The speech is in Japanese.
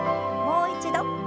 もう一度。